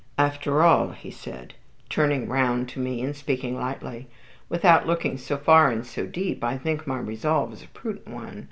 "After all," he said, turning round to me and speaking lightly, "without looking so far and so deep, I think my resolve is a prudent one.